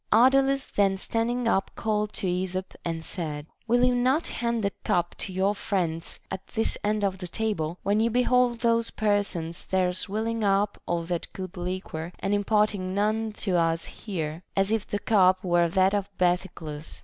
Ardalus then standing up called to Esop, and said : Will you not hand the cup to THE BANQUET OF THE SEVEN WISE MEN. 23 your friends at this end of the table, when you behold those persons there swilling up all that good liquor, and imparting none to us here, as if the cup were that of Bathycles.